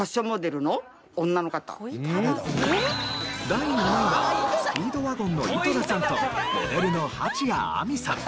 第７位はスピードワゴンの井戸田さんとモデルの蜂谷晏海さん。